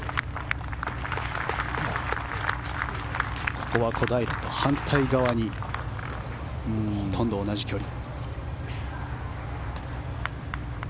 ここは小平と反対側にほとんど同じ距離。